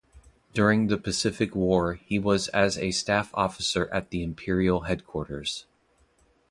During the Pacific War, he was as a staff officer at the Imperial Headquarters.